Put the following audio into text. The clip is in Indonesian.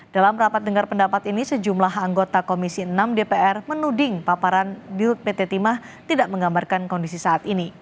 dalam rapat dengar pendapat ini sejumlah anggota komisi enam dpr menuding paparan dirut pt timah tidak menggambarkan kondisi saat ini